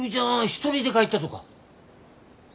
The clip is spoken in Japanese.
一人で帰ったとか？